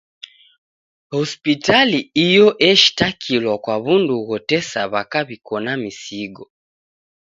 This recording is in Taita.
Hospitali iyo eshitakilwa kwa w'undu ghotesa w'aka w'iko na misigo.